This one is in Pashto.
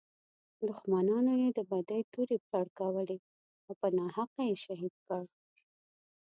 دښمنانو یې د بدۍ تورې پړکولې او په ناحقه یې شهید کړ.